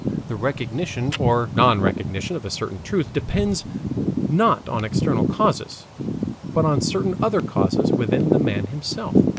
The recognition or non recognition of a certain truth depends not on external causes, but on certain other causes within the man himself.